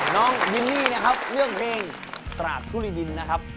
น้องมิลลี่นะครับเลือกเพลงตราดทุริดินนะครับ